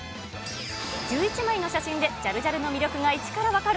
１１枚の写真でジャルジャルの魅力が１からわかる！